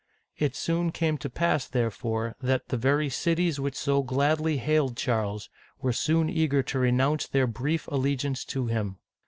It soon came to pass, therefore, that the very cities which so gladly hailed Charles, were soon eager to renounce their brief allegiance to him.